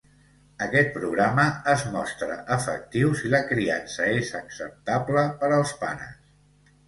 Aquest programa es mostra efectiu si la criança és acceptable per als pares.